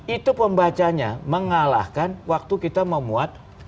itu pembacanya mengalahkan waktu kita memuat